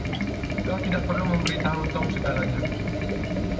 Kau tidak perlu memberi tahu Tom segalanya.